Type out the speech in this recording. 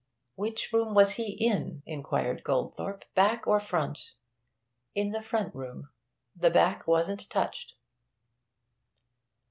'Which room was he in?' inquired Goldthorpe. 'Back or front?' 'In the front room. The back wasn't touched.'